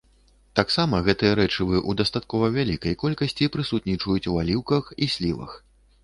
Таксама гэтыя рэчывы ў дастаткова вялікай колькасці прысутнічаюць у аліўках і слівах.